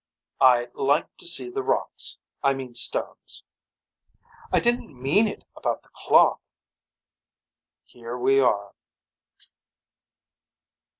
I like to see the rocks I mean stones. I didn't mean it about the clock. Here we are.